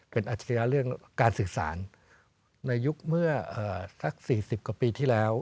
เป็นอาชรีาเรื่องการศึกษาในยุคเมื่อสัก๔๐กว่าปีที่แล้ว